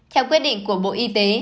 theo quyết định của bộ y tế